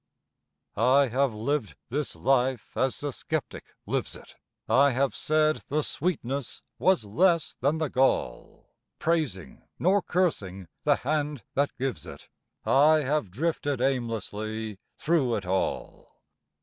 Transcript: I have lived this life as the skeptic lives it; I have said the sweetness was less than the gall; Praising, nor cursing, the Hand that gives it, I have drifted aimlessly through it all.